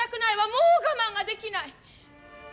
もう我慢ができない。